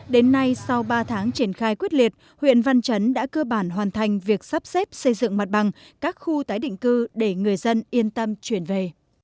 đến nay sau ba tháng triển khai quyết liệt huyện văn chấn đã cơ bản hoàn thành việc sắp xếp xây dựng mặt bằng các khu tái định cư để người dân yên tâm chuyển về